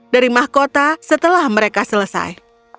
dari mahkota setelah mereka selesai